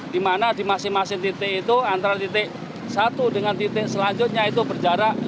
di mana di masing masing titik itu antara titik satu dengan titik selanjutnya itu berjarak